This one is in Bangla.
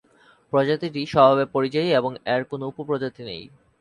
প্রজাতিটি স্বভাবে পরিযায়ী এবং এর কোন উপপ্রজাতি নেই।